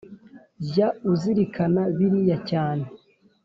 jya uzirikana biriya cyane